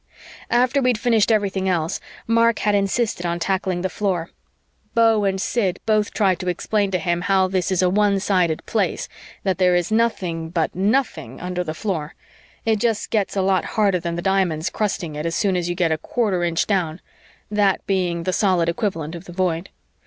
After we'd finished everything else, Mark had insisted on tackling the floor. Beau and Sid both tried to explain to him how this is a one sided Place, that there is nothing, but nothing, under the floor; it just gets a lot harder than the diamonds crusting it as soon as you get a quarter inch down that being the solid equivalent of the Void.